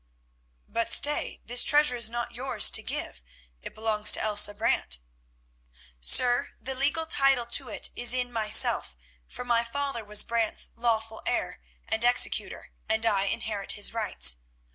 "But stay; this treasure is not yours to give, it belongs to Elsa Brant." "Sir, the legal title to it is in myself, for my father was Brant's lawful heir and executor, and I inherit his rights.